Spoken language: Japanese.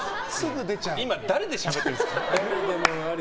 今、誰でしゃべっているんですか？